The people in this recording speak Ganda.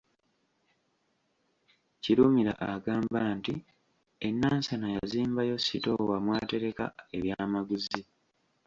Kirumira agamba nti e Nansana yazimbayo sitoowa mw’atereka ebyamaguzi.